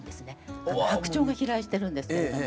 白鳥が飛来してるんですけども。